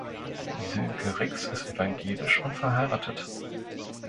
Sönke Rix ist evangelisch und verheiratet.